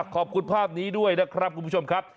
ขอบคุณภาพนี้ด้วยนะครับคุณผู้ชมครับ